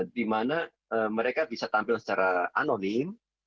di mana mereka bisa tampil secara anonim